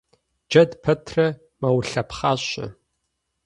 Джэд пэтрэ мэулъэпхъащэ.